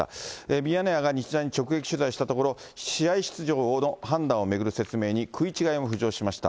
ミヤネ屋が日大に直撃取材したところ、試合出場の判断を巡る説明に食い違いも浮上しました。